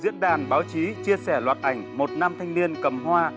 diễn đàn báo chí chia sẻ loạt ảnh một nam thanh niên cầm hoa